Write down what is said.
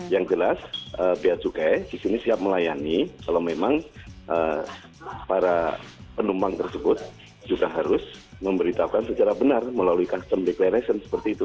yang jelas beacukai di sini siap melayani kalau memang para penumpang tersebut juga harus memberitahukan secara benar melalui custom declaration seperti itu